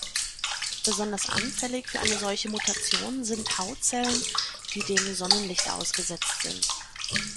Besonders anfällig für eine solche Mutation sind Hautzellen, die dem Sonnenlicht ausgesetzt sind.